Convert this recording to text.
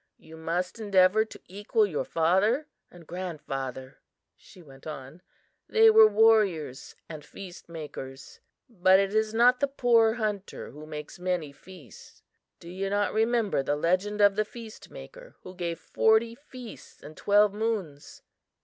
"You must endeavor to equal your father and grandfather," she went on. "They were warriors and feast makers. But it is not the poor hunter who makes many feasts. Do you not remember the 'Legend of the Feast Maker,' who gave forty feasts in twelve moons?